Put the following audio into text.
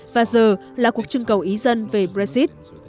và giờ là cuộc trưng cầu ý dân về brexit